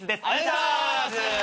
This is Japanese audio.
お願いします。